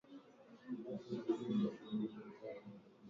alimuuliza julian paruku kahonja gavana wa kivu kaskazini